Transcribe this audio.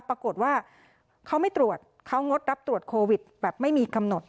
ปรากฏว่าเขาไม่ตรวจเขางดรับตรวจโควิดแบบไม่มีกำหนด